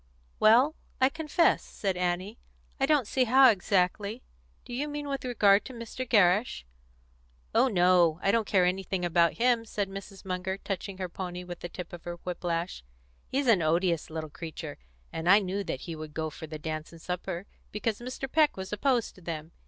"Well, I confess," said Annie, "I don't see how, exactly. Do you mean with regard to Mr. Gerrish?" "Oh no; I don't care anything about him," said Mrs. Munger, touching her pony with the tip of her whip lash. "He's an odious little creature, and I knew that he would go for the dance and supper because Mr. Peck was opposed to them.